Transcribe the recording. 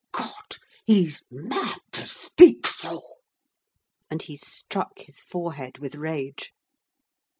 —God! he's mad to speak so!" And he struck his forehead with rage.